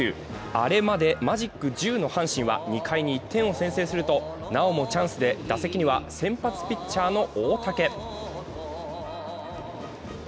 あれまでマジック１０の阪神は２回に１点を先制するとなおもチャンスで打席には先発ピッチャーの大竹。